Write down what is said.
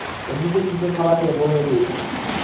এমনিতেই ক্রিটের খাবার খেয়ে খেয়ে বোর হয়ে গিয়েছিলাম।